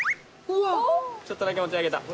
ちょっとだけ持ち上げた。